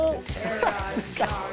恥ずかしい！